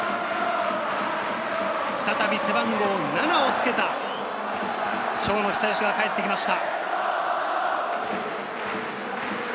再び背番号７をつけた長野久義が帰ってきました。